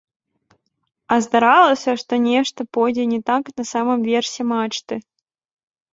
А здаралася, што нешта пойдзе не так на самым версе мачты.